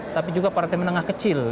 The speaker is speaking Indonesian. tapi juga partai menengah kecil